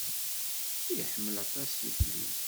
Iḥemmel aṭas tikli.